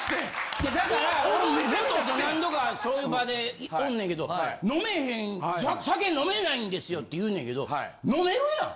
いやだから森田と何度かそういう場でおんねんけど酒飲めないんですよって言うねんけど飲めるやん？